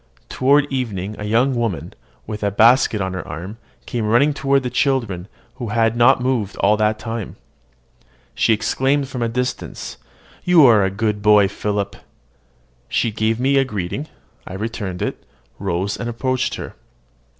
Toward evening a young woman, with a basket on her arm, came running toward the children, who had not moved all that time. She exclaimed from a distance, "You are a good boy, Philip!" She gave me greeting: I returned it, rose, and approached her.